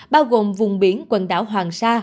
bao gồm vùng biển quần đảo hoàng sa